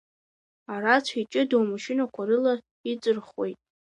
Арацәа иҷыдоу амашьынақәа рыла иҵырхуеит.